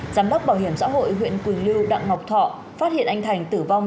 giám đốc bảo hiểm xã hội huyện quỳnh lưu đặng ngọc thọ phát hiện anh thành tử vong